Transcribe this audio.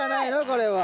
これは。